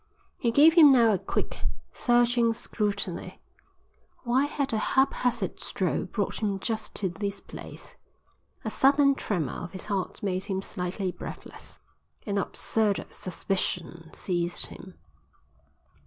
He gave him now a quick, searching scrutiny. Why had a haphazard stroll brought him just to this place? A sudden tremor of his heart made him slightly breathless. An absurd suspicion seized him.